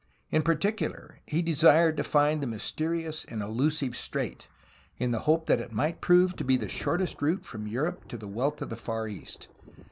In particular, he desired to find the mysterious and elusive strait, in the hope that it might prove to be the shortest route from Europe to the wealth of the Far East.